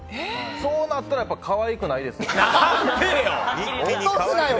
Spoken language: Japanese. そうなったら可愛くないですね。